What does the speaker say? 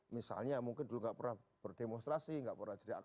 misalnya mungkin dulu enggak pernah berdemonstrasi enggak pernah jadi aktivis